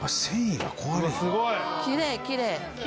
きれいきれい！